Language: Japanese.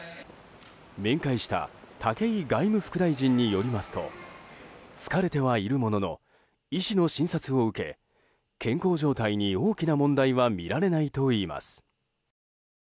面会した武井外務副大臣によりますと疲れてはいるものの医師の診察を受け健康状態に大きな問題は見られないといいます。